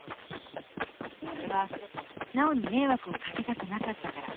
それはナオに迷惑をかけたくなかったから。